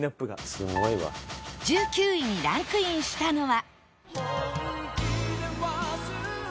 続いて９位にランクインしたのは